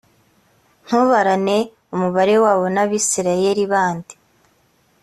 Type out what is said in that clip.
ntubarane umubare wabo n abisirayeli bandi